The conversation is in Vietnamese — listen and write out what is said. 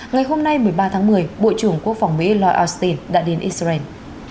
ngày hôm nay một mươi ba tháng một mươi bộ trưởng quốc phòng mỹ lloyd austin đã đến israel